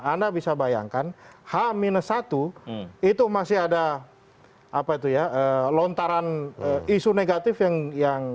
anda bisa bayangkan h satu itu masih ada lontaran isu negatif yang